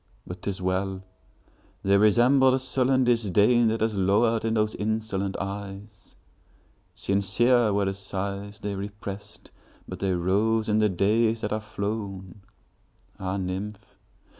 But 't is well!—they resemble the sullen disdainThat has lowered in those insolent eyes. Sincere were the sighs they represt, But they rose in the days that are flown! Ah, nymph!